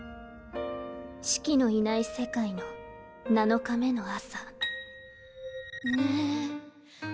シキのいない世界の７日目の朝。